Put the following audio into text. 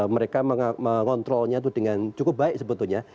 mereka mengontrolnya itu dengan cukup baik sebetulnya